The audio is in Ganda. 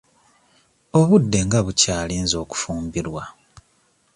Obudde nga bukyali nze okufumbirwa.